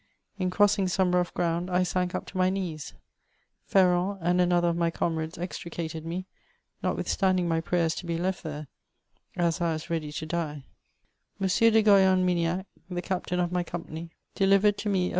In crossing some rough g^und, I sank up to my knees. Ferron and another of my comrades extricated me, notwithstanding my prayers to be lert there, as I was ready to die. M. de Goyon Miniac, the captain of my company, delivered to me a.